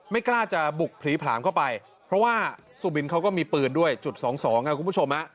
ไม่กล้าจะบุกพลีภารก็ไปเพราะว่าสุบินเค้าก็มีปืนจุด๒๒ครับคุณผู้ชม